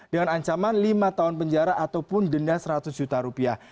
dengan ancaman lima tahun penjara ataupun denda seratus juta rupiah